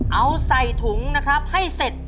เอาใส่ถุงนะครับให้เสร็จ